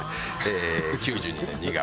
９２年２月。